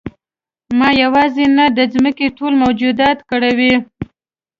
ما یوازې نه د ځمکې ټول موجودات کړوي.